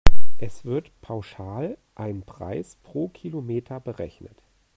Es wird pauschal ein Preis pro Kilometer berechnet.